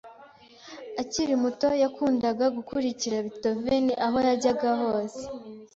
Akiri muto, yakundaga gukurikira Beethoven aho yajyaga hose.